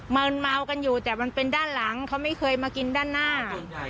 ืนเมากันอยู่แต่มันเป็นด้านหลังเขาไม่เคยมากินด้านหน้า